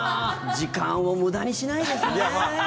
時間を無駄にしないですね。